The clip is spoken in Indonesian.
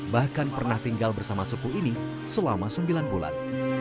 bahkan pernah tinggal bersama suku ini selama sembilan bulan